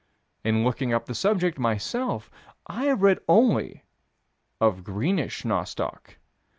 In looking up the subject, myself, I have read only of greenish nostoc.